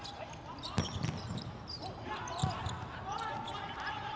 สวัสดีครับทุกคน